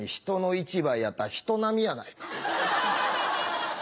人の一倍やったら人並みやないか。